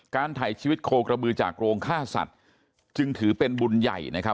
ถ่ายชีวิตโคกระบือจากโรงฆ่าสัตว์จึงถือเป็นบุญใหญ่นะครับ